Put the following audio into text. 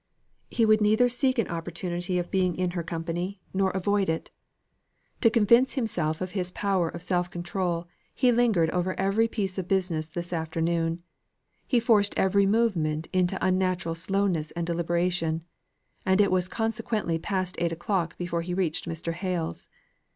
He would neither seek an opportunity of being in her company nor avoid it. To convince himself of his power of self control, he lingered over every piece of business this afternoon; he forced every movement into unnatural slowness and deliberation; and it was consequently past eight o'clock before he reached Mr. Hale's.